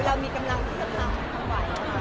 พี่เอ็มเค้าเป็นระบองโรงงานหรือเปลี่ยนไงครับ